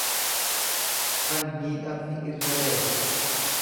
kan miidhamni irra gaye.